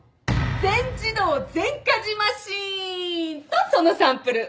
「全自動全家事マシーン」！とそのサンプル。